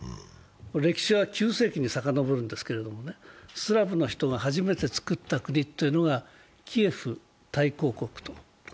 歴史は旧世紀にさかのぼるんですけど、スラブの人が初めてつくった国がキエフ大公国。